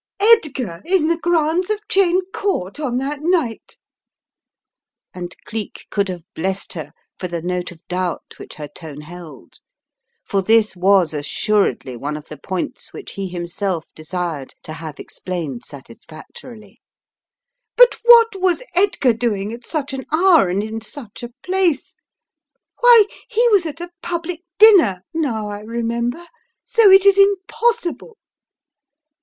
"Edgar in the grounds of Cheyne Court on that night ?" and Cleek could have blessed her for the note of doubt which her tone held, for this was assuredly one of the points which he himself desired to have explained satisfac torily. "But what was Edgar doing at such an hour and in such a place? Why, he was at a public dinner, now I remember, so it is impossible!"